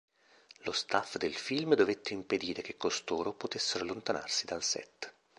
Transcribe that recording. Lo staff del film dovette impedire che costoro potessero allontanarsi dal set.